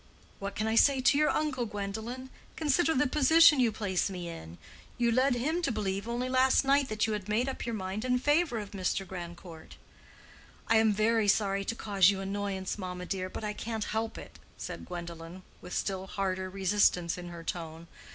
"What can I say to your uncle, Gwendolen? Consider the position you place me in. You led him to believe only last night that you had made up your mind in favor of Mr. Grandcourt." "I am very sorry to cause you annoyance, mamma, dear, but I can't help it," said Gwendolen, with still harder resistance in her tone.